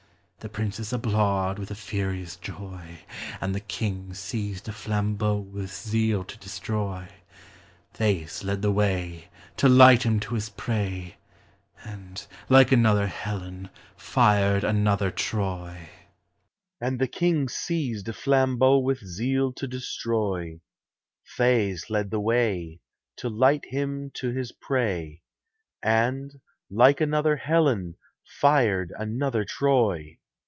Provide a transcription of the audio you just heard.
The princes applaud with a furious joy ; And the king seized a flambeau with zeal to destroy ; Thais led the way, To light him to his prey, And, like another Helen, tired another Troyl CHORUS. And the hint, seized a flambeau with zeal to <t troy : 378 POEMS OF SENTIMENT. Thais led the way, To light hi 7n to his prey, And, like another Helen, fired another Troy